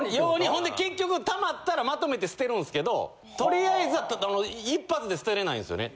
ほんで結局溜まったらまとめて捨てるんですけどとりあえず一発で捨てれないんですよね。